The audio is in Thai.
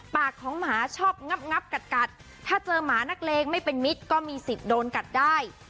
ปากของหมาชอบงับกัดถ้าเจอหมานักเลงไม่เป็นมิตรก็มีสิทธิ์โดนกัดได้